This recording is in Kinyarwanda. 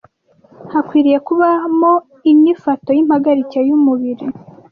hakwiriye kubamo inyifato y’impagarike y’umubiri,